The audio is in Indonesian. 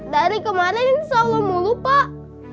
dari kemarin insya allah mulu pak